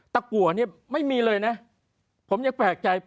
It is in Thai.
กัวเนี่ยไม่มีเลยนะผมยังแปลกใจ